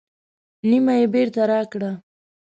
نیمه یې بېرته راکړه.